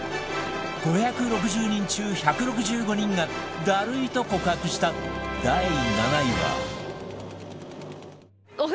５６０人中１６５人がダルいと告白した第７位は